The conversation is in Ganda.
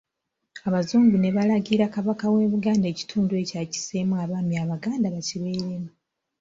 Abazungu ne balagira, Kabaka w'e Buganda ekitundu ekyo akisseemu abaami Abaganda bakibeeremu.